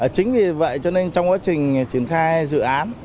chính vì vậy cho nên trong quá trình triển khai dự án